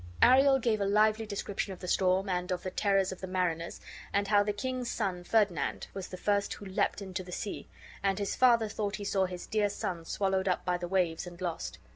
Ariel gave a lively description of the storm, and of the terrors of the mariners, and how the king's son, Ferdinand, was the first who leaped into the sea; and his father thought he saw his dear son swallowed up by the waves and lost.